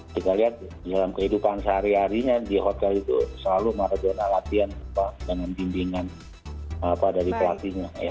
kita lihat di dalam kehidupan sehari harinya di hotel itu selalu ada zona latihan dengan bimbingan dari pelatihnya